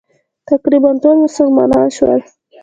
تقریباً ټول مسلمانان شول.